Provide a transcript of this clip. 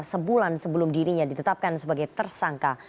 sebulan sebelum dirinya ditetapkan sebagai tersangka